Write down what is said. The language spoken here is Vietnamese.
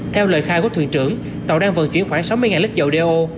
theo lời khai của thuyền trưởng tàu đang vận chuyển khoảng sáu mươi lít dầu đeo